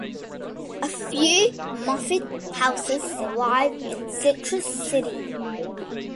A few Moffitt houses survive in Citrus City.